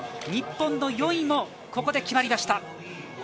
日本の４位もここで決まりました。